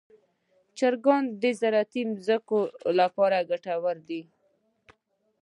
چرګان د زراعتي ځمکو لپاره ګټور دي.